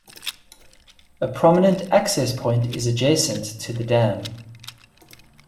A prominent access point is adjacent to the dam.